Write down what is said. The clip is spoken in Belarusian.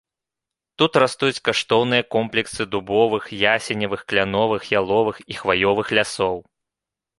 Тут растуць каштоўныя комплексы дубовых, ясеневых, кляновых, яловых і хваёвых лясоў.